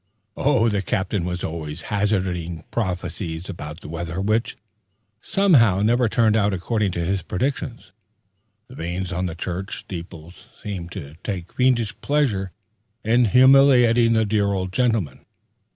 The Captain was always hazarding prophecies about the weather, which somehow never turned out according to his prediction. The vanes on the church steeples seemed to take fiendish pleasure in humiliating the dear old gentleman.